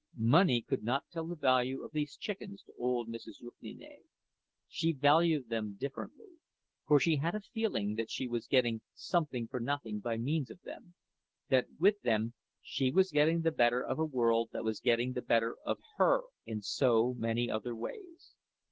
Money could not tell the value of these chickens to old Mrs. Jukniene—she valued them differently, for she had a feeling that she was getting something for nothing by means of them—that with them she was getting the better of a world that was getting the better of her in so many other ways.